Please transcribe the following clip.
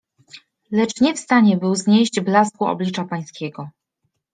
Lecz nie w stanie był znieść blasku Oblicza Pańskiego.